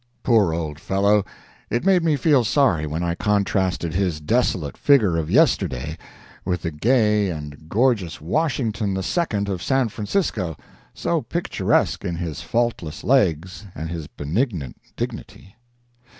Poor old fellow, it made me feel sorry when I contrasted his desolate figure of yesterday with the gay and gorgeous Washington II of San Francisco, so picturesque in his faultless legs and his benignant dignity.